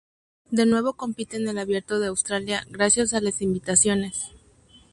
De nuevo compite en el Abierto de Australia gracias a las invitaciones.